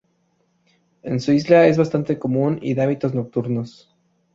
En su isla es bastante común y de hábitos nocturnos.